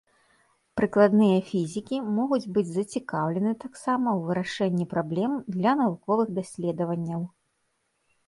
Прыкладныя фізікі могуць быць зацікаўлены таксама ў вырашэнні праблем для навуковых даследаванняў.